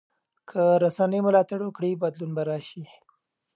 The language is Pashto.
که رسنۍ ملاتړ وکړي بدلون به راشي.